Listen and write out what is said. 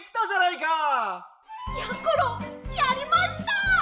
やころやりました！